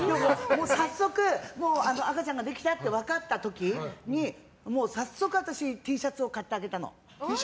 早速、赤ちゃんができたって分かった時に早速、私Ｔシャツを買ってあげたの。